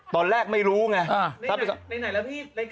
ตอนแรกไม่รู้ไง